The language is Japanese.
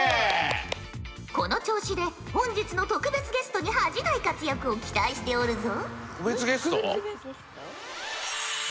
この調子で本日の特別ゲストに恥じない活躍を期待しておるぞ。